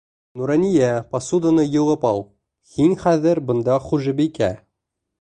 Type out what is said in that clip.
Нурания, посуданы йыуып ал, һин хәҙер бында хужабикә.